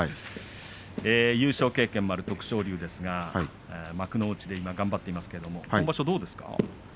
優勝経験もある徳勝龍ですが幕内で頑張っていますけれども今場所どうですか。